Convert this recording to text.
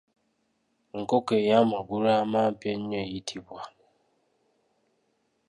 Enkoko ey’amagulu amampi ennyo eyitibwa.